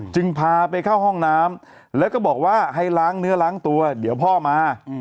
พาไปเข้าห้องน้ำแล้วก็บอกว่าให้ล้างเนื้อล้างตัวเดี๋ยวพ่อมา